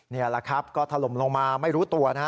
นี่แหละครับก็ถล่มลงมาไม่รู้ตัวนะฮะ